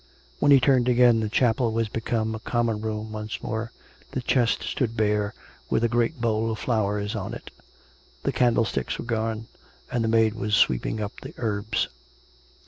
When he turned again, the chapel was become a common room once more: the chest stood bare, with a great bowl of flowers on it; the candlesticks were gone; and the maid was sweeping up the herbs.